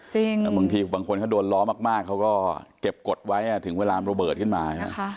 จริงคือบางคนถ้าโดนล้อมากเขาก็เก็บกฎไว้ถึงเวลาโบราชขึ้นมา